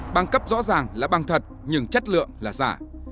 băng cấp rõ ràng là băng thật nhưng chất lượng là giả